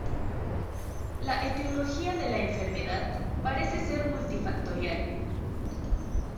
La Etiología de la enfermedad parece ser multifactorial.